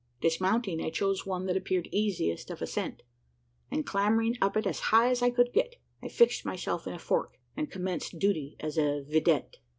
Dismounting, I chose one that appeared easiest of ascent; and, clambering up it as high as I could get, I fixed myself in a fork, and commenced duty as a vidette.